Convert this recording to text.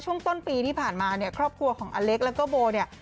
ช่วงต้นปีที่ผ่านมาเนี่ยครอบครัวของอเล็กแล้วก็โบเนี่ย